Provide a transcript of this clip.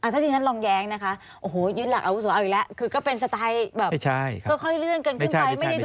ถ้าอยู่ทีนั้นลองแย้งนะคะโอ้โหยืดหลักอาวุโสอ้อออีกแล้ว